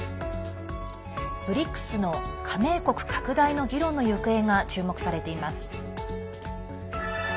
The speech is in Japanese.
ＢＲＩＣＳの加盟国拡大の議論の行方が注目されています。